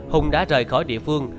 hùng đã rời khỏi địa phương